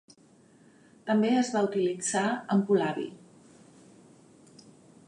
També es va utilitzar en polabi.